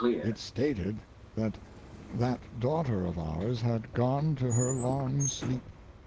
It stated that that daughter of ours had gone to her long sleep.